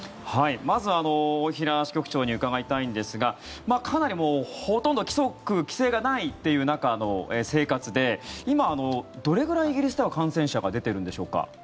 まず大平支局長に伺いたいんですがかなりほとんど規則・規制がない中での生活で今、どれぐらいイギリスでは感染者が出ているんでしょうか？